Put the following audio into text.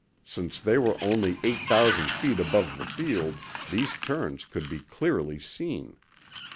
Since they were only eight thousand feet above the field, these turns could be clearly seen.